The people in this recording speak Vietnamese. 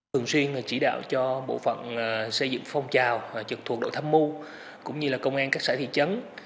thường xuyên chỉ đạo cho bộ phận xây dựng phong trào trực thuộc đội tham mưu cũng như công an các xã thị trấn